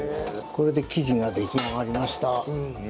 これで生地が出来上がりました。